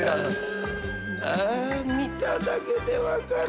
［あ見ただけで分かる。